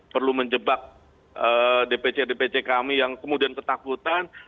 perlu menjebak dpc dpc kami yang kemudian ketakutan